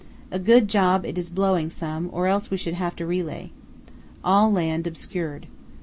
A good job it is blowing some, or else we should have to relay. All land obscured.